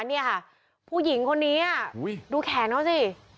นี่ค่ะผู้หญิงคนนี้ดูแขนเขาสิ